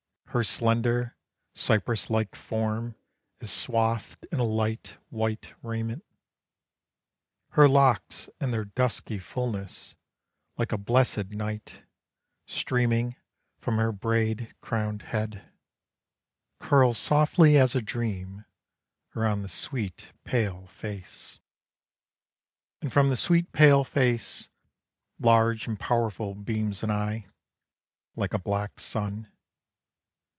Her slender, cypress like form Is swathed in a light, white raiment. Her locks, in their dusky fullness, Like a blessed night, Streaming from her braid crowned head, Curl softly as a dream Around the sweet, pale face; And from the sweet pale face Large and powerful beams an eye, Like a black sun.